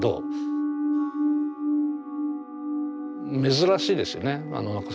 珍しいですよね。